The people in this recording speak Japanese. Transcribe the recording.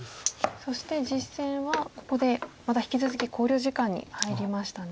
そして実戦はここでまた引き続き考慮時間に入りましたね。